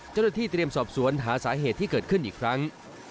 เจ้าหน้าที่เตรียมสอบสวนหาสาเหตุที่เกิดขึ้นอีกครั้ง